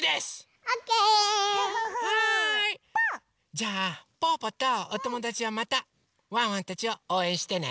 じゃあぽぅぽとおともだちはまたワンワンたちをおうえんしてね！